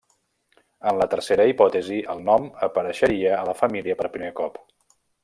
En la tercera hipòtesi el nom apareixeria a la família per primer cop.